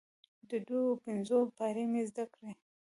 د دوو او پنځو پاړۍ مې زده ده،